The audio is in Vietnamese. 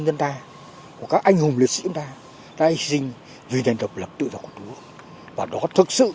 dân ta của các anh hùng liệt sĩ của ta đã hy sinh vì đền độc lập tự do của tổ quốc và đó thực sự